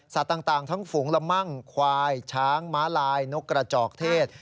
ต่างทั้งฝูงละมั่งควายช้างม้าลายนกกระจอกเทศ